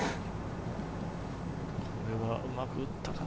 これはうまく打ったかな？